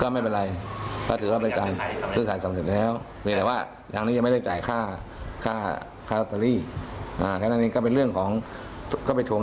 ไม่ยากเลยคือยังไงร้อยสภัพมันต้องมีคนขึ้นแน่นอน